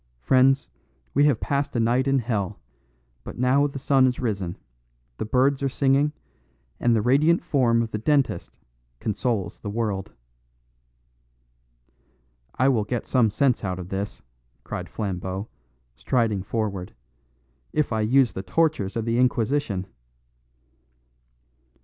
Friends, we have passed a night in hell; but now the sun is risen, the birds are singing, and the radiant form of the dentist consoles the world." "I will get some sense out of this," cried Flambeau, striding forward, "if I use the tortures of the Inquisition."